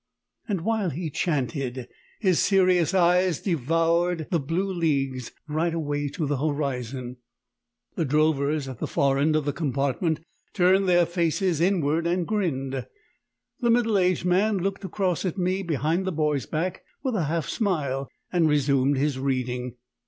And while he chanted, his serious eyes devoured the blue leagues right away to the horizon. The drovers at the far end of the compartment turned their faces inward and grinned. The middle aged man looked across at me behind the boy's back with half a smile and resumed his reading.